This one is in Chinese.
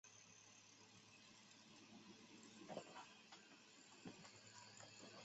膜叶土蜜树为大戟科土蜜树属下的一个种。